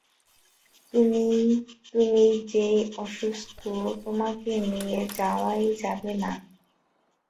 তুমি যেই অসুস্থ তোমাকে নিয়েতো যাওয়াই যাবে না।